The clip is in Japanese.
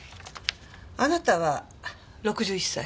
あなたは６１歳。